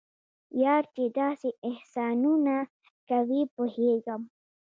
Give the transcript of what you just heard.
یار چې داسې احسانونه کوي پوهیږم.